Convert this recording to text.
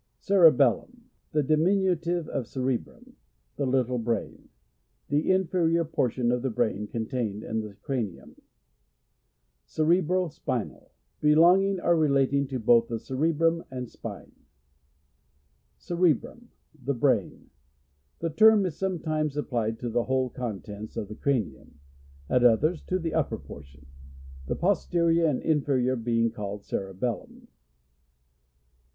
Cerebellum. — The diminutive of cer ebrum. The little brain. The in ferior portion of the brain contained in the cranium. Cerebrospinal. — Belonging or rela ting to both the cerebrum and spine. Cerebrum. — The brain. The term is sometimes applied to the whole con tents of the cranium ; at others, to the upper portion ; the posterior and infeiior being called cerebellum.